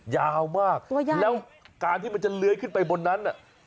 ยาวมากแล้วการที่มันจะเลื้อยขึ้นไปบนนั้นน่ะ